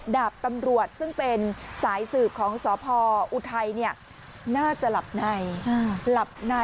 ดาบตำรวจซึ่งเป็นสายสืบของสพออุทัยน่าจะหลับในหลับใน